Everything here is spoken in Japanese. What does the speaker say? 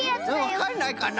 わかんないかな？